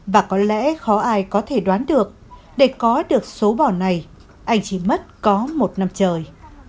và có lẽ khó ai có thể đoán được để có được số bò này anh chỉ mất có một năm trời